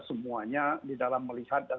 semuanya di dalam melihat dan